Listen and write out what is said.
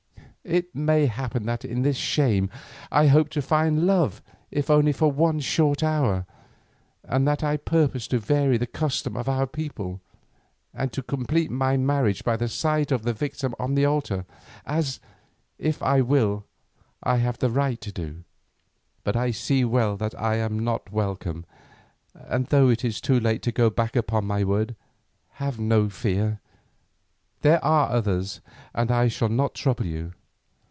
It may happen that in this shame I hoped to find love if only for one short hour, and that I purposed to vary the custom of our people, and to complete my marriage by the side of the victim on the altar, as, if I will, I have the right to do. But I see well that I am not welcome, and though it is too late to go back upon my word, have no fear. There are others, and I shall not trouble you.